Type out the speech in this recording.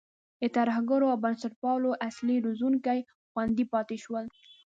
د ترهګرو او بنسټپالو اصلي روزونکي خوندي پاتې شول.